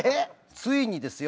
ついにですよ